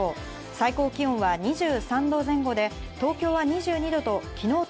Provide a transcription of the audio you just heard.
最高気温は２３度前後で東京は２２度と